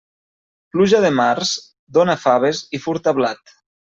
Pluja de març, dóna faves i furta blat.